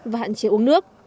và hạn chế uống nước